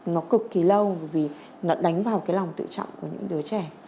nó cực kỳ lâu vì nó đánh vào cái lòng tự trọng của những đứa trẻ